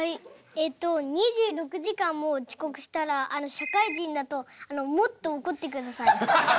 えっと２６時間もちこくしたら社会人だともっとおこってください。